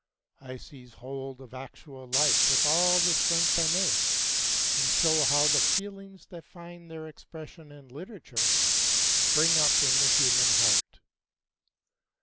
I seize hold of actual life with all the strength I may, and show how the feelings that find their expression in literature spring up in the human heart.